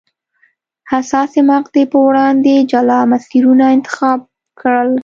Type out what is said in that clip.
حساسې مقطعې په وړاندې جلا مسیرونه انتخاب کړل.